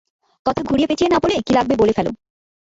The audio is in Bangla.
কথা ঘুরিয়ে প্যাচিয়ে না বলে, কী লাগবে বলে ফেলো।